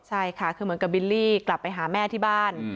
ใช่ค่ะคือเหมือนกับบิลลี่กลับไปหาแม่ที่บ้าน